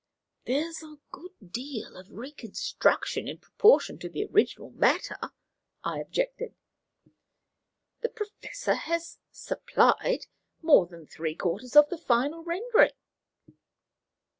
"There is a good deal of reconstruction in proportion to the original matter," I objected. "The Professor has 'supplied' more than three quarters of the final rendering."